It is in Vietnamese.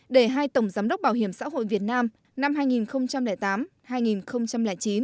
để hai tổng giám đốc bảo hiểm xã hội việt nam năm hai nghìn tám hai nghìn chín